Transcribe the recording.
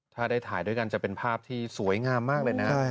ถ้าได้ถ่ายด้วยกันจะเป็นภาพที่สวยงามมากเลยนะ